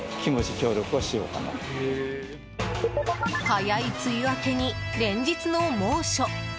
早い梅雨明けに連日の猛暑。